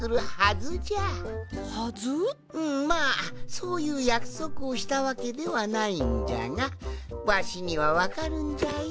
そういうやくそくをしたわけではないんじゃがわしにはわかるんじゃよ